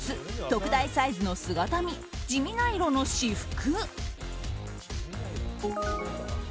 特大サイズの姿見地味な色の私服。